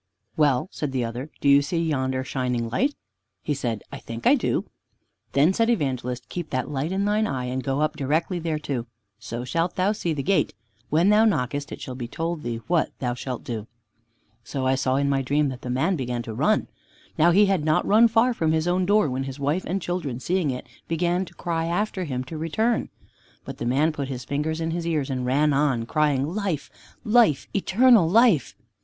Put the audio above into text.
"Well," said the other, "do you see yonder shining light?" He said, "I think I do." Then said Evangelist, "Keep that light in thine eye, and go up directly thereto, so shalt thou see the gate. When thou knockest, it shall be told thee what thou shalt do." So I saw in my dream that the man began to run. Now he had not run far from his own door when his wife and children, seeing it, began to cry after him to return. But the man put his fingers in his ears, and ran on, crying, "Life, life, eternal life!"